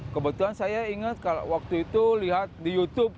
kebetulan saya ingat waktu itu lihat di youtube